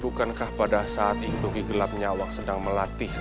bukankah pada saat itu ki gelap nyawang sedang melatih rakyat